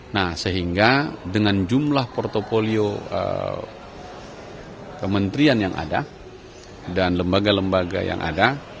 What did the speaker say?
nah sehingga dengan jumlah portfolio kementerian yang ada dan lembaga lembaga yang ada